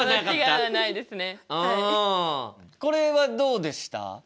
これはどうでした？